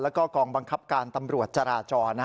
แล้วก็กองบังคับการตำรวจจราจร